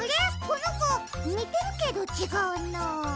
このこにてるけどちがうな。